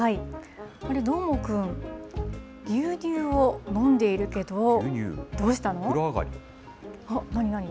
あれ、どーもくん、牛乳を飲んでいるけど、風呂上がり。